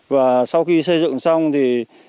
và sau khi xây dựng xong thì